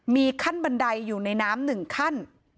มีขั้นบันไดอยู่ในน้ำ๑ขั้น